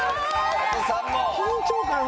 緊張感が。